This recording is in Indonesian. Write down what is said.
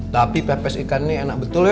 tapi pepes ikannya enak betul ya